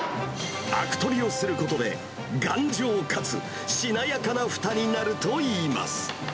あく取りをすることで、頑丈かつしなやかなふたになるといいます。